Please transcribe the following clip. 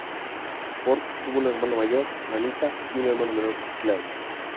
Ford tuvo una hermana mayor, Anita, y un hermano menor, Claude.